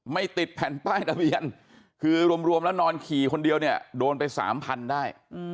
ไม่ติดแผ่นป้ายทะเบียนคือรวมแล้วนอนขี่คนเดียวเนี่ยโดนไป๓๐๐ได้